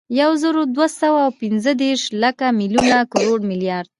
یوزرودوهسوه اوپنځهدېرش، لک، ملیون، کروړ، ملیارد